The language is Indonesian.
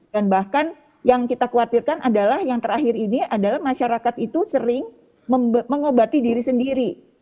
dan bahkan yang kita khawatirkan adalah yang terakhir ini adalah masyarakat itu sering mengobati diri sendiri